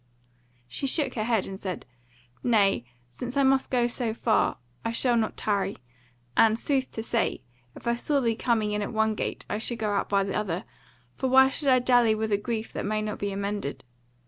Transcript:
She shook her head and said: "Nay, since I must go so far, I shall not tarry; and, sooth to say, if I saw thee coming in at one gate I should go out by the other, for why should I dally with a grief that may not be amended.